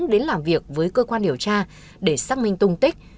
đến làm việc với cơ quan điều tra để xác minh tung tích